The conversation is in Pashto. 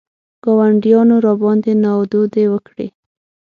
ګاونډیانو راباندې نادودې وکړې.